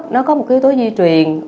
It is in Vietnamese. nó có một cái yếu tố di truyền